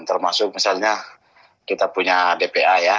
termasuk misalnya kita punya dpa ya